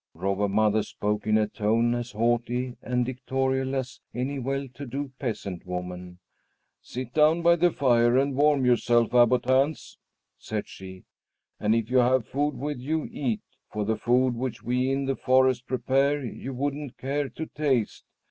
Robber Mother spoke in a tone as haughty and dictatorial as any well to do peasant woman. "Sit down by the fire and warm yourself, Abbot Hans," said she; "and if you have food with you, eat, for the food which we in the forest prepare you wouldn't care to taste.